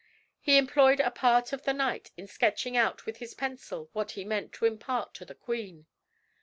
He employed a part of the night in sketching out with his pencil what he meant to impart to the queen.